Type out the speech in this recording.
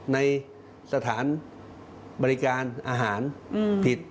ในสถานบริการอาหารผิด